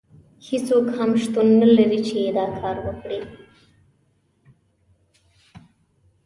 هیڅوک هم شتون نه لري چې دا کار وکړي.